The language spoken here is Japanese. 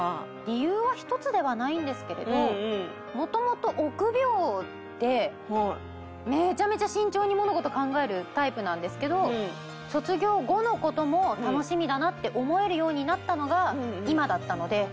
理由は一つではないんですけれど元々臆病でめちゃめちゃ慎重に物事を考えるタイプなんですけど卒業後の事も楽しみだなって思えるようになったのが今だったので。